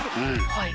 「はい」